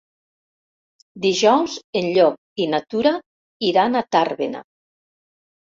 Dijous en Llop i na Tura iran a Tàrbena.